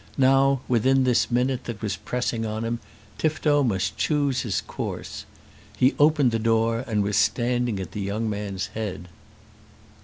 Now, within this minute that was pressing on him, Tifto must choose his course. He opened the door and was standing at the young man's head.